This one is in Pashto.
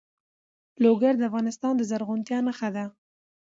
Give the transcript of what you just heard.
لوگر د افغانستان د زرغونتیا نښه ده.